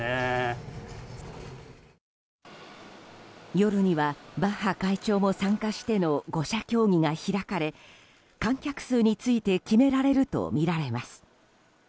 夜にはバッハ会長も参加しての５者協議が開かれ観客数について決められるとみられます。